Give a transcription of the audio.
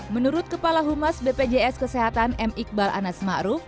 menurut kepala humas bpjs kesehatan m iqbal anas ma'ruf